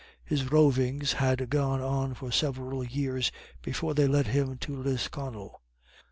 His rovings had gone on for several years before they led him to Lisconnel.